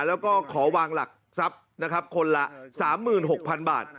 แล้วก็ขอวางหลักทรัพย์นะครับคนละ๓๖๐๐๐บาท